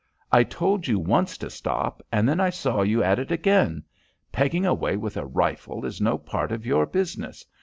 I told you once to stop, and then I saw you at it again. Pegging away with a rifle is no part of your business.